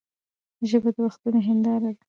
ژبه د وختونو هنداره ده.